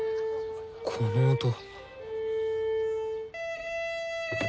この音。